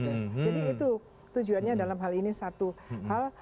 itu tujuannya dalam hal ini satu hal